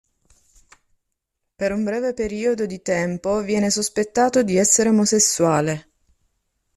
Per un breve periodo di tempo viene sospettato di essere omosessuale.